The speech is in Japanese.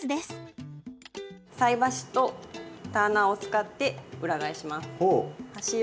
菜箸とターナーを使って裏返します。